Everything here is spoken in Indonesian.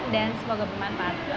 dan semoga bermanfaat